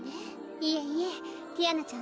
いえいえティアナちゃん